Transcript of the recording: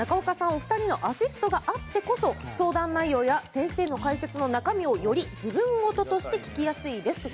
お二人のアシストがあってこそ相談内容や先生の解説の中身をより自分事として聞きやすいです。